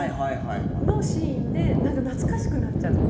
そのシーンで懐かしくなっちゃって。